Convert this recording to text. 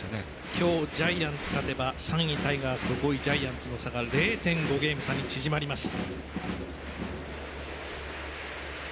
今日ジャイアンツ勝てば３位タイガースと５位ジャイアンツの差が０．５ゲーム差に縮まります。